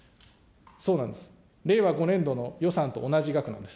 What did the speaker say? そうなんです、令和５年度の予算と同じ額なんです。